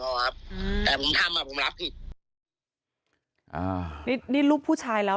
พอครับอืมแต่ผมทำอ่ะผมรับอีกอ่านี่นี่รูปผู้ชายแล้ว